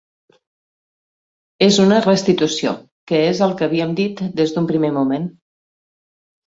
És una restitució, que és el que havíem dit des d’un primer moment.